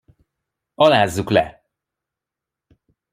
Alázzuk le.